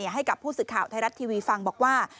ให้กับผู้สื่อข่าวไทยรัฐทีวีฟังบอกว่า